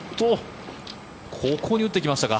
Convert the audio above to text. ここに打ってきましたか。